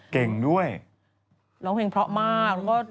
เก่งด้วยร้องเพลงเพราะมาก